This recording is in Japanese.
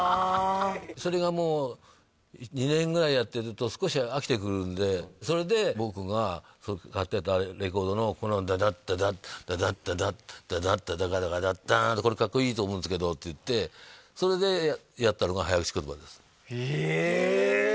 それがもう２年ぐらいやってるとそれで僕が買ってたレコードのこのダダッダダッダダッダダッダダッダダカダカダダーンって「これかっこいいと思うんですけど」って言ってそれでやったのが早口言葉ですへえ！